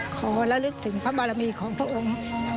ขอระลึกถึงพระบารมีของพระองค์